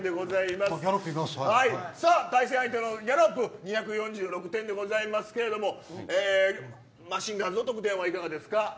さあ対戦相手のギャロップ２４６点でございますけれどマシンガンズの得点はいかがですか。